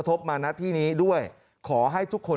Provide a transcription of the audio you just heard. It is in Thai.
ขอเลื่อนสิ่งที่คุณหนูรู้สึก